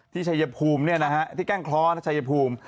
ที่ชายภูมิที่แก้งเคราะห์ชายภูมิ